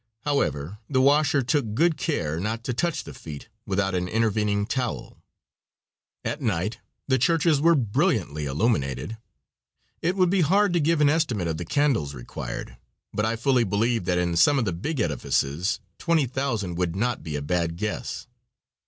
However, the washer took good care not to touch the feet without an intervening towel. At night the churches were brilliantly illuminated. It would be hard to give an estimate of the candles required, but I fully believe that in some of the big edifices 20,000 would not be a bad guess.